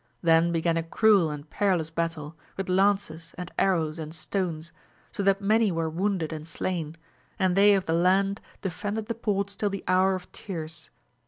Then began a cruel and peri lous battle, with lances and arrows and stones ; so that many were wounded and slain, and they of the land defended the ports till the hour of tierce.